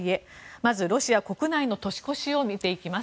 まずロシア国内の年越しを見ていきます。